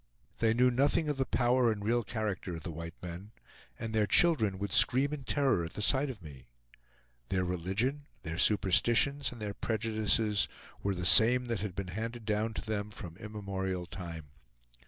They knew nothing of the power and real character of the white men, and their children would scream in terror at the sight of me. Their religion, their superstitions, and their prejudices were the same that had been handed down to them from immemorial time.